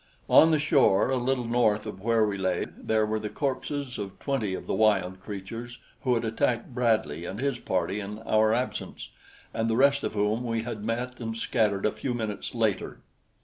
On the shore a little north of where we lay there were the corpses of twenty of the wild creatures who had attacked Bradley and his party in our absence, and the rest of whom we had met and scattered a few minutes later.